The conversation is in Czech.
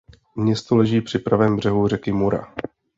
Město leží při pravém břehu řeky Mura.